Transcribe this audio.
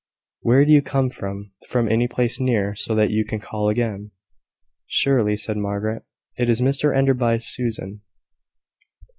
"Where do you come from? from any place near, so that you can call again?" "Surely," said Margaret, "it is Mrs Enderby's Susan."